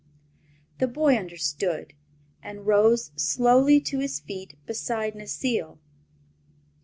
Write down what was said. The boy understood, and rose slowly to his feet beside Necile.